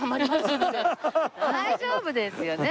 大丈夫ですよねえ。